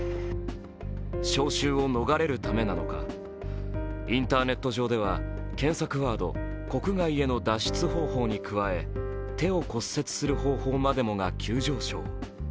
招集を逃れるためなのか、インターネット上では検索ワード「国外への脱出方法」に加え、「手を骨折する方法」までもが急上昇。